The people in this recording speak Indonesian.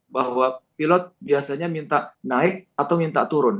bahwa pilot biasanya minta naik atau minta turun